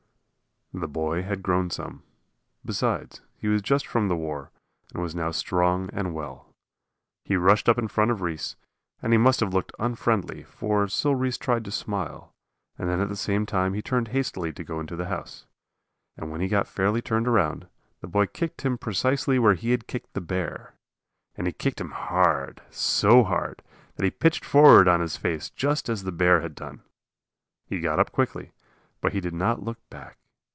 The boy had grown some; besides, he was just from the war and was now strong and well. He rushed up in front of Reese, and he must have looked unfriendly, for Sil Reese tried to smile, and then at the same time he turned hastily to go into the house. And when he got fairly turned around, the boy kicked him precisely where he had kicked the bear. And he kicked him hard, so hard that he pitched forward on his face just as the bear had done. He got up quickly, but he did not look back.